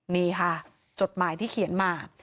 นี่ค่ะจดหมายที่เขียนมา